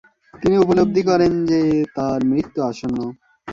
তিনি উপলব্ধি করেন যে তার মৃত্যু আসন্ন।